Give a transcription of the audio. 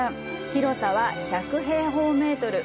広さは１００平方メートル。